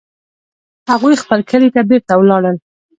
هغوی خپل کلي ته بیرته ولاړل